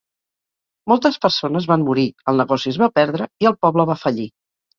Moltes persones van morir, el negoci es va perdre, i el poble va fallir.